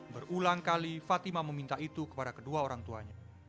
berulang kali fatima meminta itu kepada kedua orang tuanya